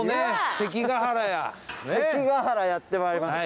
関ケ原やってまいりました。